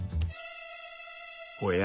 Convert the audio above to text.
おや？